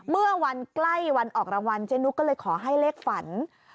เมื่อวันใกล้วันออกรางวัลเจนุกก็เลยขอให้เลขฝัน